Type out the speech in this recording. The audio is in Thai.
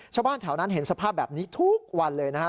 ชาวบ้านแถวนั้นเห็นสภาพแบบนี้ทุกวันเลยนะฮะ